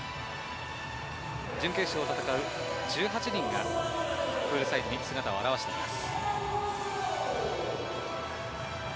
準決勝を戦う１８人がプールサイドに姿を現しています。